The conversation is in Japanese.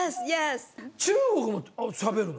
中国もしゃべるの？